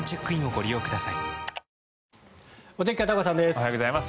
おはようございます。